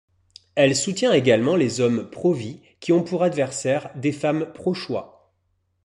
Elle soutient également les hommes pro-vie qui ont pour adversaires des femmes pro-choix.